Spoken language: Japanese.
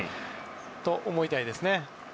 そう思いたいですね。